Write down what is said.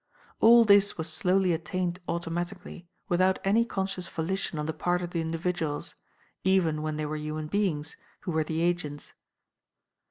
All this was slowly attained automatically, without any conscious volition on the part of the individuals, even when they were human beings, who were the agents.